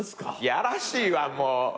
やらしいわもう。